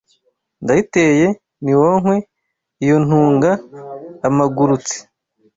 Ndayiteye “niwonkwe”Iyo ntunga amagurutsi